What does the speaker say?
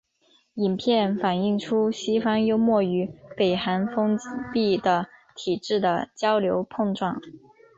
影片反映出西方幽默与北韩封闭的体制的交流碰撞。